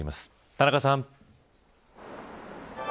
田中さん。